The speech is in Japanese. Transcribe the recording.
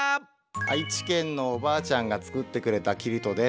愛知県のおばあちゃんがつくってくれたキルトです。